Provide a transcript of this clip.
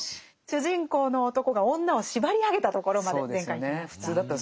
主人公の男が女を縛り上げたところまで前回いきました。